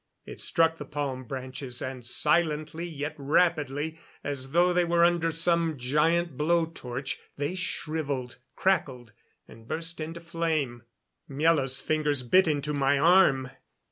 It struck the palm branches, and silently yet rapidly, as though they were under some giant blow torch, they shriveled, crackled, and burst into flame. Miela's fingers bit into my arm.